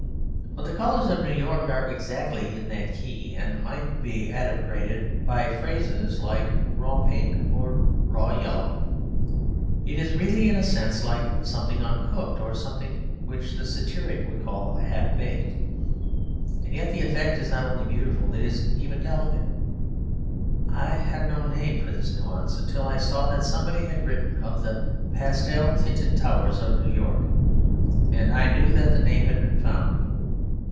But the colours of New York are exactly in that key; and might be adumbrated by phrases like raw pink or raw yellow. It is really in a sense like something uncooked; or something which the satiric would call half baked. And yet the effect is not only beautiful, it is even delicate. I had no name for this nuance; until I saw that somebody had written of 'the pastel tinted towers of New York'; and I knew that the name had been found.